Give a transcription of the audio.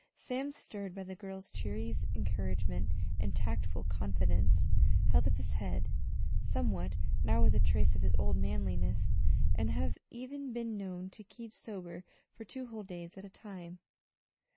Sam, stirred by the girl's cheery encouragement and tactful confidence, held up his head sometimes now with a trace of his old manliness, and had even been known to keep sober for two whole days at a time.